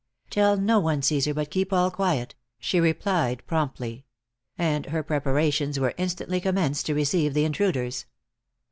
"Tell no one, Cæsar, but keep all quiet," she replied promptly; and her preparations were instantly commenced to receive the intruders.